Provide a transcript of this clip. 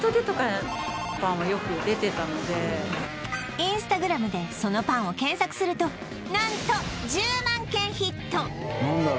Ｉｎｓｔａｇｒａｍでそのパンを検索すると何と１０万件ヒット